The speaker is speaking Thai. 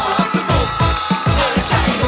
มันไม่ใช่รถตุกและไม่ใช่รถตุก